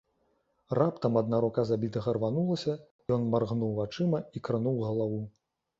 Раптам адна рука забітага рванулася, ён маргнуў вачыма і крануў галаву.